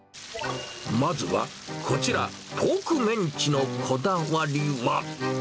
まずはこちら、ポークメンチのこだわりは。